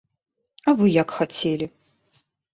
А вы як хацелі?